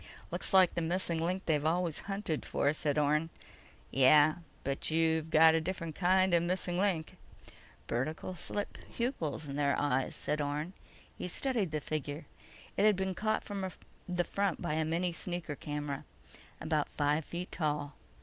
"Looks like the missing link they're always hunting for," said Orne. "Yeah, but you've got a different kind of a missing link." "Vertical slit pupils in their eyes," said Orne. He studied the figure. It had been caught from the front by a mini sneaker camera. About five feet tall.